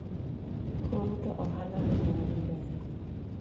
Koro to ohala nenore maber